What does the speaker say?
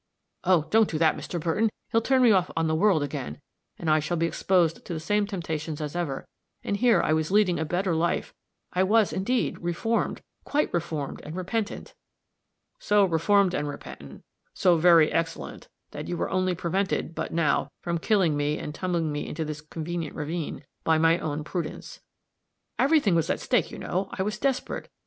"Oh, don't do that, Mr. Burton! He'll turn me off on the world again, and I shall be exposed to the same temptations as ever and here I was leading a better life I was indeed reformed, quite reformed and repentant." "So reformed and repentant, so very excellent, that you were only prevented, but now, from killing me and tumbling me into this convenient ravine, by my own prudence." "Every thing was at stake, you know. I was desperate.